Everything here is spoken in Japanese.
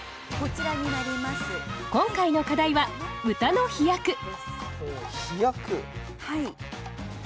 今回の課題は「歌の飛躍」飛躍。